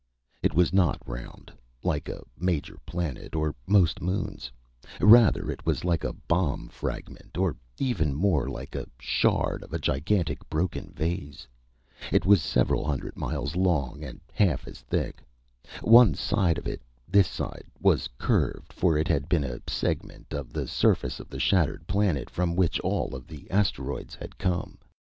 It was not round, like a major planet or most moons. Rather, it was like a bomb fragment; or even more like a shard of a gigantic broken vase. It was several hundred miles long, and half as thick. One side of it this side was curved; for it had been a segment of the surface of the shattered planet from which all of the asteroids had come.